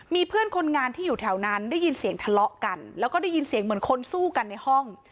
มีเพื่อนคนงานที่อยู่แถวนั้นได้ยินเสียงทะเลาะกันแล้วก็ได้ยินเสียงเหมือนคนสู้กันในห้อง